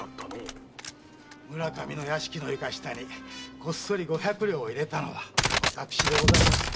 村上の屋敷の床下にこっそり五百両を入れたのは私です。